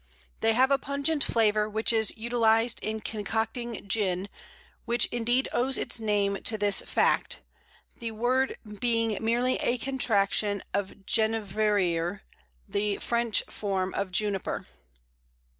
They have a pungent flavour, which is utilized in concocting gin, which indeed owes its name to this fact the word being merely a contraction of genévrier, the French form of Juniper.